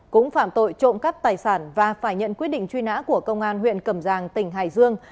cũng phạm tội trộm cắp tài sản và phải nhận quyết định truy nã của công an huyện cầm giang tỉnh hải dương